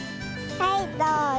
はいどうぞ。